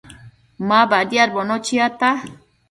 Ma badiadbono chiata